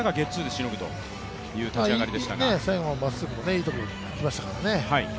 最後のまっすぐもいいところにいきましたからね。